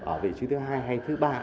ở vị trí thứ hai hay thứ ba